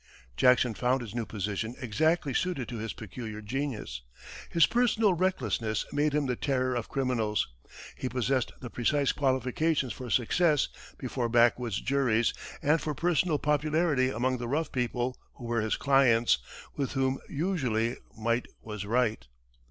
Jackson found his new position exactly suited to his peculiar genius. His personal recklessness made him the terror of criminals; he possessed the precise qualifications for success before backwoods juries and for personal popularity among the rough people who were his clients, with whom usually might was right.